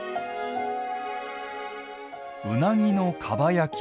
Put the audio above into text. うなぎのかば焼き